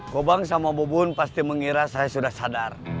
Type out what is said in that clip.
kobang sama bubun pasti mengira saya sudah sadar